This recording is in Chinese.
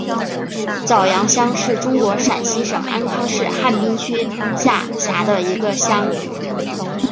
早阳乡是中国陕西省安康市汉滨区下辖的一个乡。